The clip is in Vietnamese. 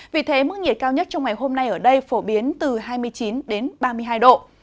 vì thế mức nhiệt cao nhất trong ngày hôm nay ở đây phổ biến từ hai mươi chín đến ba mươi hai độ